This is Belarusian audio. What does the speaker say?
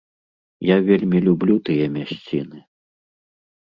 Я вельмі люблю тыя мясціны.